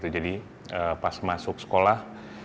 jadi pas masuk sekolah